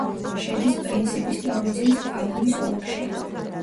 შედის პრინსიპის პროვინციის პაგუის ოლქში.